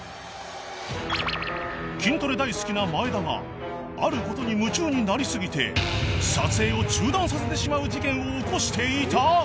［筋トレ大好きな眞栄田があることに夢中になり過ぎて撮影を中断させてしまう事件を起こしていた］